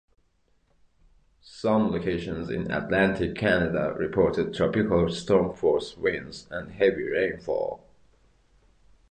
Some locations in Atlantic Canada reported tropical storm force winds and heavy rainfall.